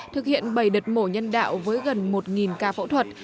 thực hiện bảy đợt mổ nhân đạo với gần một ca phẫu thuật